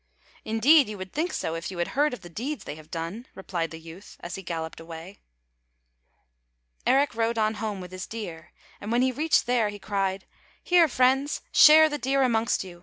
Indeed, you would think so, if you had heard of the deeds they have done," replied the youth, as he galloped away. Eric rode on home with his deer, and when he reached there he cried, " Here, friends, share the deer amongst you.